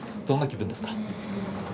どんな気分ですか。